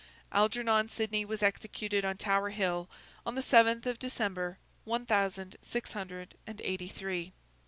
Algernon Sidney was executed on Tower Hill, on the seventh of December, one thousand six hundred and eighty three.